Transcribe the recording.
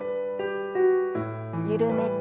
緩めて。